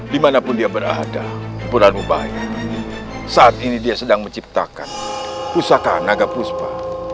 dimanapun dia berada saat ini dia sedang menciptakan pusaka naga puspa